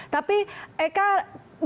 tapi eka bolehkah kita lihat